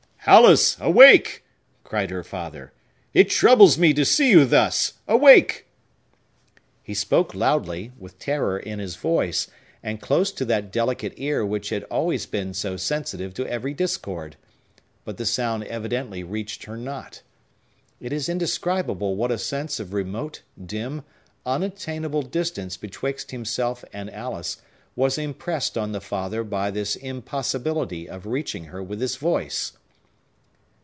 "Alice! Awake!" cried her father. "It troubles me to see you thus! Awake!" He spoke loudly, with terror in his voice, and close to that delicate ear which had always been so sensitive to every discord. But the sound evidently reached her not. It is indescribable what a sense of remote, dim, unattainable distance betwixt himself and Alice was impressed on the father by this impossibility of reaching her with his voice.